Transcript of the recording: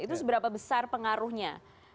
itu seberapa besar pengaruhnya